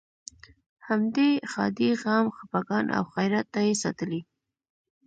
همدې ښادۍ، غم، خپګان او خیرات ته یې ساتلې.